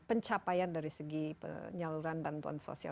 pencapaian dari segi penyaluran bantuan sosial